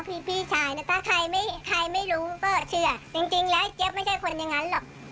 พี่พี่ชายแล้วก็ใครไม่ใครไม่รู้ก็เชียร์จริงจริงแล้วเจี๊ยบไม่ใช่คนอย่างนั้นหรอก